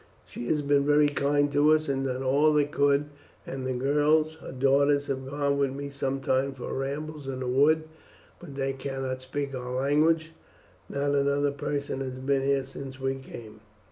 She has been very kind to us, and done all that she could, and the girls, her daughters, have gone with me sometimes for rambles in the wood; but they cannot speak our language. Not another person has been here since we came."